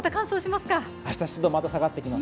明日、湿度また下がってきます。